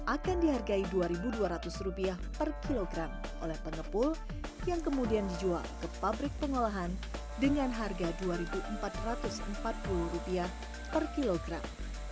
akan dihargai rp dua dua ratus per kilogram oleh pengepul yang kemudian dijual ke pabrik pengolahan dengan harga rp dua empat ratus empat puluh per kilogram